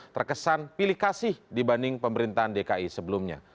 terkesan pilikasih dibanding pemerintahan dki sebelumnya